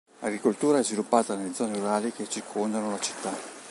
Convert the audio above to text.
L'agricoltura è sviluppata nelle zone rurali che circondano la città.